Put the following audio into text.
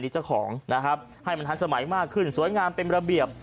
ให้มันทันสมัยมากขึ้นสวยงามเป็นระเบียบ